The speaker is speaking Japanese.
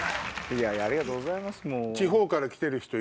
ありがとうございます。